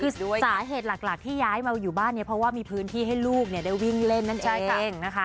คือสาเหตุหลักที่ย้ายมาอยู่บ้านเนี่ยเพราะว่ามีพื้นที่ให้ลูกได้วิ่งเล่นนั่นเองนะคะ